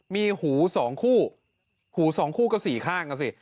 มีหูสองคู่หูสองคู่ก็สี่ข้างก็สี่